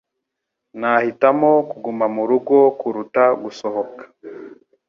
Nahitamo kuguma murugo kuruta gusohoka.